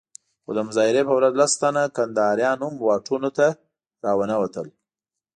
خو د مظاهرې په ورځ لس تنه کنداريان هم واټونو ته راونه وتل.